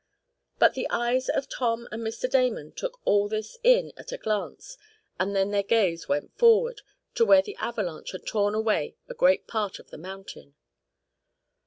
But the eyes of Tom and Mr. Damon took all this in at a glance, and then their gaze went forward to where the avalanche had torn away a great part of the mountain.